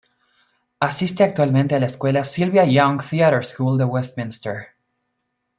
Asiste actualmente a la escuela Sylvia Young Theatre School de Westminster.